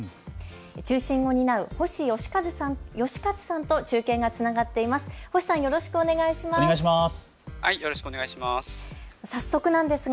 中心を担う星義克さんと中継がつながっています。